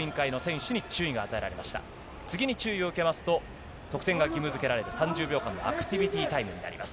次に注意が与えられますと、得点が義務づけられる３０秒間のアクティビティタイムになります。